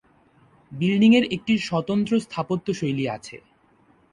বিল্ডিংয়ের একটি স্বতন্ত্র স্থাপত্য শৈলী আছে।